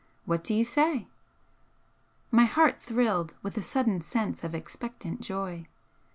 What do you say?" My heart thrilled with a sudden sense of expectant joy.